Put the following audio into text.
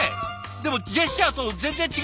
でもジェスチャーと全然違わない？